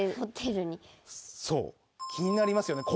そう気になりますよね？